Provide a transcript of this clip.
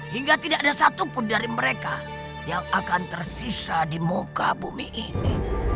hingga tidak ada satupun dari mereka yang akan tersisa di muka bumi ini